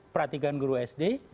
perhatikan guru sd